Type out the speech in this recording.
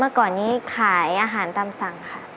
ก่อนนี้ขายอาหารตามสั่งค่ะ